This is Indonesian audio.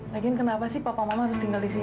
lagian kenapa papa mama harus tinggal di sini